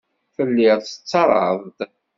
Telliḍ tettarraḍ-d.